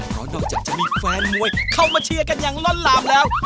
เพราะนอกจากจะมีแฟนมวยเข้ามาเชียร์กันอย่างล้นหลามแล้ว